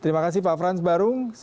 terima kasih pak frans barung